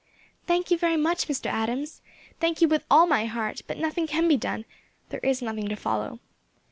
"Thank you very much, Mr. Adams; thank you with all my heart: but nothing can be done, there is nothing to follow.